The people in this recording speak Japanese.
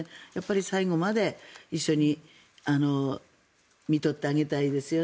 最後まで一緒にみとってあげたいですよね。